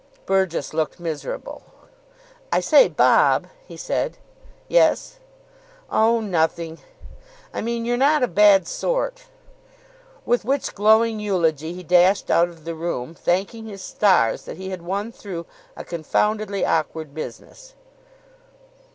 Burgess looked miserable. "I say, Bob," he said. "Yes?" "Oh, nothing I mean, you're not a bad sort." With which glowing eulogy he dashed out of the room, thanking his stars that he had won through a confoundedly awkward business.